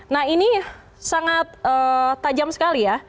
nah ini sangat tajam sekali ya